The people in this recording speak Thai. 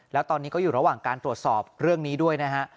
แล้วตอนนี้ก็อยู่ระหว่างการตรวจสอบเรื่องนี้ด้วยนะฮะ